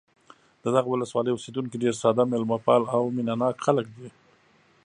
د دغه ولسوالۍ اوسېدونکي ډېر ساده، مېلمه پال او مینه ناک خلک دي.